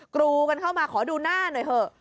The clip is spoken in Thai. กรูกันเข้ามาขอดูหน้าหน่อยเถอะ